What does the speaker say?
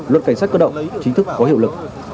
luật cảnh sát cơ động chính thức có hiệu lực